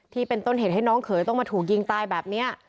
ที่เป็นต้นเหตุให้น้องเขยต้องมาถูกยิงตายแบบนี้